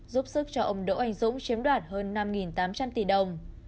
giúp sức cho ông đỗ anh dũng chiếm đoạt hơn năm tám trăm linh tỷ đồng